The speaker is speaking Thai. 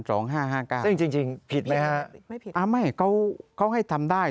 จริงผิดไหมครับไม่ผิดครับค่ะอ่าไม่เขาให้ทำได้